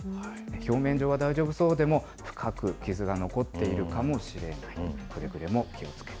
表面上は大丈夫そうでも、深く傷が残っているかもしれない。